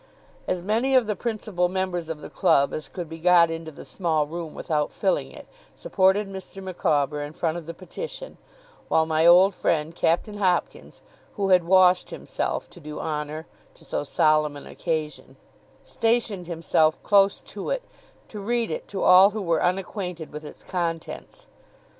As many of the principal members of the club as could be got into the small room without filling it, supported Mr. Micawber in front of the petition, while my old friend Captain Hopkins (who had washed himself, to do honour to so solemn an occasion) stationed himself close to it, to read it to all who were unacquainted with its contents.